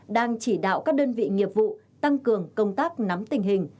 đang chỉ đạo các đơn vị nghiệp vụ tăng cường công tác nắm tình hình